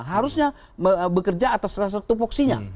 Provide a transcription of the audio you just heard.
harusnya bekerja atas satu tupuksinya